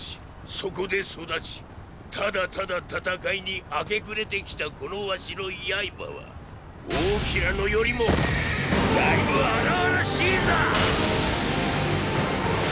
そこで育ちただただ戦いに明け暮れてきたこの儂の刃は王騎らのよりもっだいぶ荒々しいぞォ！！